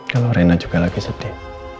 kalau rena juga lagi sedih